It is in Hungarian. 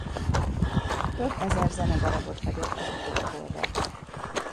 Több ezer zenedarabot hagyott az utókorra.